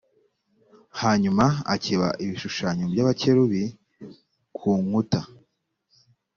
hanyuma akeba ibishushanyo by abakerubi ku nkuta